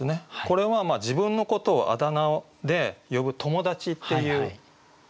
これは自分のことをあだ名で呼ぶ友達っていう意味ですよね。